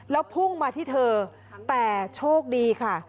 แล้วพุ่งมาที่เธอแต่โชคดีค่ะ